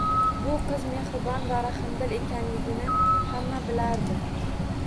Bu qiz mehribon va rahmdil ekanligini hamma bilardi.